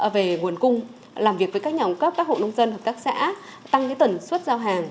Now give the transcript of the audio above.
về nguồn cung làm việc với các nhóm cấp các hộ nông dân hợp tác xã tăng tần suất giao hàng